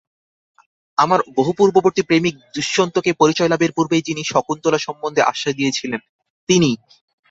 আমার বহুপূর্ববর্তী প্রেমিক দুষ্যন্তকে পরিচয়লাভের পূর্বেই যিনি শকুন্তলা সম্বন্ধে আশ্বাস দিয়াছিলেন, তিনিই।